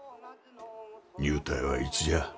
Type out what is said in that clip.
入隊はいつじゃあ？